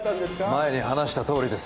前に話したとおりです。